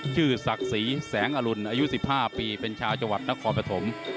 ศักดิ์ศรีแสงอรุณอายุ๑๕ปีเป็นชาวจังหวัดนครปฐม